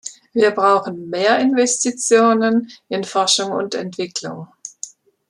Wir brauchen mehr Investitionen in Forschung und Entwicklung.